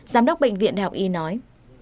giám đốc bệnh viện học y nói